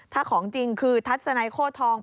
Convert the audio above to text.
ถ้าของจริงคือทัศนัยโคตรทอง